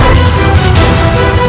jangan lupa untuk berlangganan